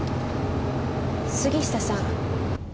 杉下さん。